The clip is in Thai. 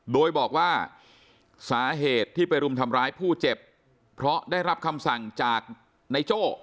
โดยบอกว่าสาเหตุที่ไปรุมทำร้ายผู้เจ็บเพราะได้รับคำสั่งจากนายโจ้